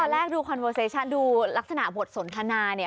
แรกดูคอนเวอร์เซชั่นดูลักษณะบทสนทนาเนี่ย